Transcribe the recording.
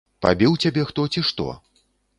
Пабіў цябе хто, ці што?